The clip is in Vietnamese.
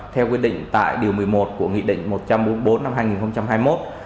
theo quyết định tại điều một mươi một của nghị định một trăm bốn mươi bốn năm hai nghìn hai mươi một